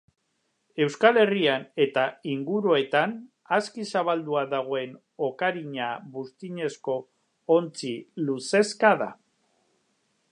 Euskal Herrian eta inguruetan aski zabaldua dagoen okarina buztinezko ontzi luzeska da.